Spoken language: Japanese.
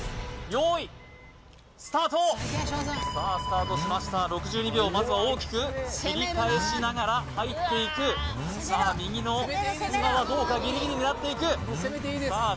用意スタートさあスタートしました６２秒まずは大きく切り返しながら入っていくさあ右の隙間はどうかギリギリ狙っていくさあ